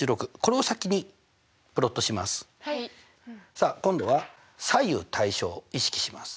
さあ今度は左右対称を意識します。